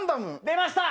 出ました！